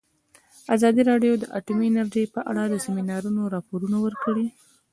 ازادي راډیو د اټومي انرژي په اړه د سیمینارونو راپورونه ورکړي.